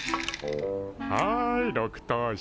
はい６等賞。